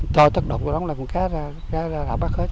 thôi tất độc đó là con cá ra bắt hết